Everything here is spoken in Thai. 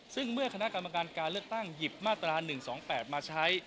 ซึ่งเมื่อคณะกรรมการการเลือกตั้งหยิบมาตรา๑๒๘มาใช้